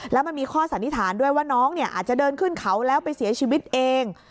แล้วมันมีข้อสันนิษฐานด้วยว่าน้องเนี่ยอาจจะเดินขึ้นเขาแล้วไปเสียชีวิตเอง